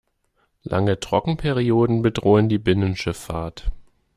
Lange Trockenperioden bedrohen die Binnenschifffahrt.